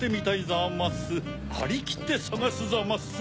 ざますはりきってさがすざます。